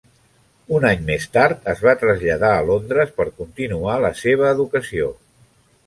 Un any més tard, es va traslladar a Londres per continuar la seva educació.